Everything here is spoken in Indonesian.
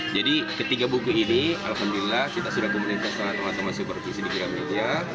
jadi ketiga buku ini alhamdulillah kita sudah komunikasi sama teman teman supervisi di kira media